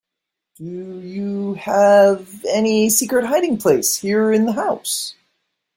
Do you have any secret hiding place here in the house?